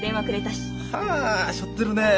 はあしょってるね。